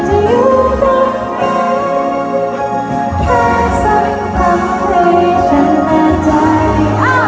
ฉันแค่คนรู้จักหรือคนรู้ใจ